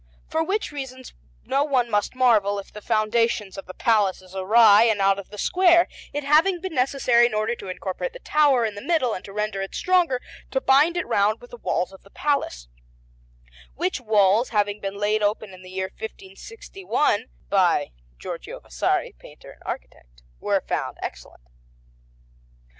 For which reasons no one must marvel if the foundation of the Palace is awry and out of the square, it having been necessary, in order to incorporate the tower in the middle and to render it stronger, to bind it round with the walls of the Palace; which walls, having been laid open in the year 1561 by Giorgio Vasari, painter and architect, were found excellent.